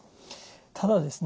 ただですね